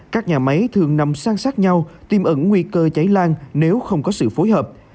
các nhà máy thường nằm sang sát nhau tiêm ẩn nguy cơ cháy lan nếu không có sự phối hợp